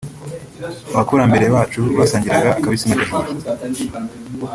Abakurambere bacu basangiraga akabisi n’agahiye